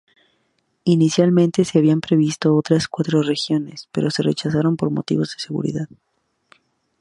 Inicialmente se habían previsto otras cuatro regiones, pero se rechazaron por motivos de seguridad.